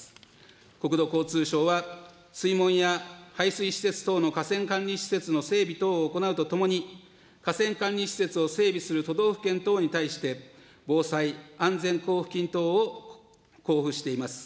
国土交通省は、水門や排水施設等の河川管理施設等の整備等を行うとともに、河川管理施設を整備する都道府県等に対して、防災・安全交付金等を交付しています。